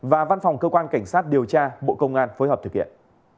và văn phòng cơ quan cảnh sát điều tra bộ công an phối hợp thực hiện